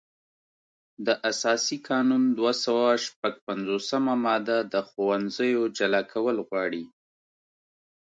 د اساسي قانون دوه سوه شپږ پنځوسمه ماده د ښوونځیو جلا کول غواړي.